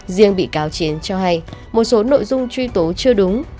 riêng bị cáo chiến cho hay một số nội dung truy tố chưa đúng